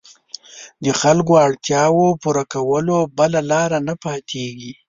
د خلکو اړتیاوو پوره کولو بله لاره نه پاتېږي.